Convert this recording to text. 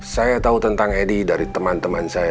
saya tahu tentang edi dari teman teman saya